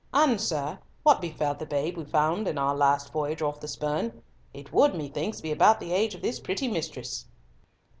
"And, sir, what befell the babe we found in our last voyage off the Spurn? It would methinks be about the age of this pretty mistress."